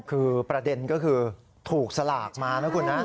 คือประเด็นก็คือถูกสลากมานะคุณนะ